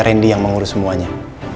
randy yang mengurus semuanya